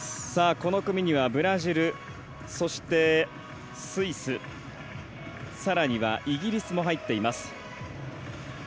この組にはブラジルそしてスイスさらにはイギリスも入っています。